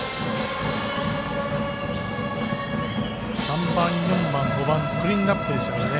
３番、４番、５番のクリーンアップですからね。